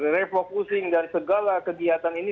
refocusing dan segala kegiatan ini